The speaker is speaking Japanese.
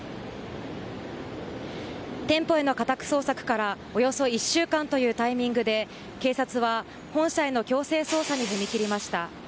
店舗への家宅捜索からおよそ１週間というタイミングで警察は、本社への強制捜査に踏み切りました。